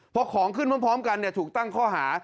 พอของขึ้นพร้อมกันถูกตั้งข้อหา